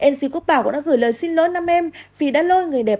nc quốc bảo cũng đã gửi lời xin lỗi năm em vì đã lôi người đẹp